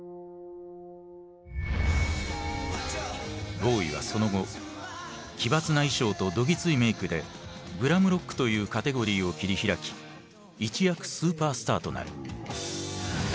ボウイはその後奇抜な衣装とどぎついメークでグラムロックというカテゴリーを切り開き一躍スーパースターとなる。